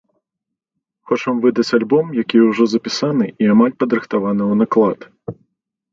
Хочам выдаць альбом, які ўжо запісаны і амаль падрыхтаваны ў наклад.